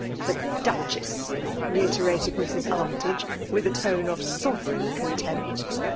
" The Duchess !" reiterated Mrs. Armytage, with a tone of sovereign contempt.